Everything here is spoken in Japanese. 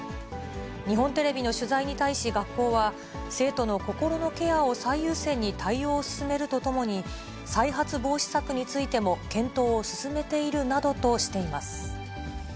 日本テレビの取材に対し学校は、生徒の心のケアを最優先に対応を進めるとともに、再発防止策についても検討を進めているなどとしています。